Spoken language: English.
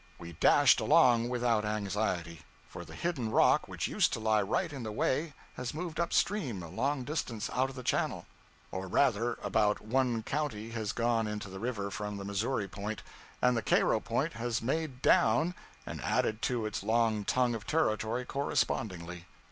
We dashed along without anxiety; for the hidden rock which used to lie right in the way has moved up stream a long distance out of the channel; or rather, about one county has gone into the river from the Missouri point, and the Cairo point has 'made down' and added to its long tongue of territory correspondingly.